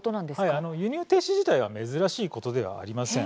はい輸入禁止自体は珍しいことではありません。